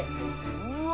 うわ！